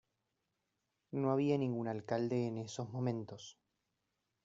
No había ningún alcalde en esos momentos.